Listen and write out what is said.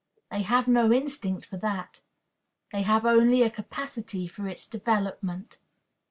They have no instinct for that. They have only a capacity for its development.